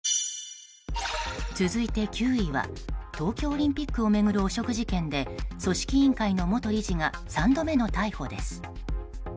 続いて９位は東京オリンピックを巡る汚職事件で組織委員会の元理事が３度目の逮捕です。